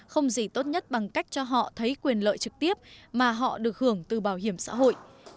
không gì tốt nhất bằng cách cho họ thấy quyền lợi trực tiếp mà họ được hưởng từ bảo hiểm xã hội